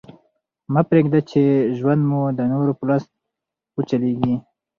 مه پرېږده، چي ژوند مو د نورو په لاس وچلېږي.